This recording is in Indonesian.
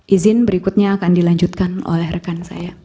izin berikutnya akan dilanjutkan oleh rekan saya